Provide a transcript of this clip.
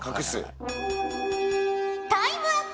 タイムアップ。